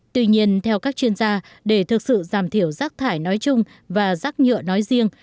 tuy nhiên theo các chuyên gia để thực sự giảm thiểu rác thải nói chung và rác nhựa nói riêng